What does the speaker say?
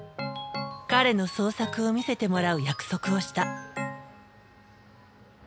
彼の創作を見せてもらう約束をした。